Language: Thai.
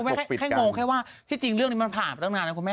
แค่งงแค่ว่าที่จริงเรื่องนี้มันผ่านมาตั้งนานนะคุณแม่